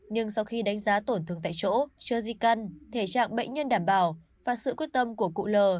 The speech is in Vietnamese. nhưng sau khi đánh giá tổn thương tại chỗ chưa di căn thể trạng bệnh nhân đảm bảo và sự quyết tâm của cụ l